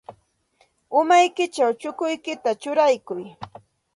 Umaykićhaw chukuykita churaykuy.